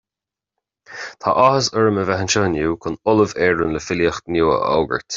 Tá áthas orm a bheith anseo inniú chun ‘Ollamh Éireann le Filíocht’ nua a fhógairt